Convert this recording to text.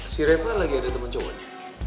si reva lagi ada temen cowoknya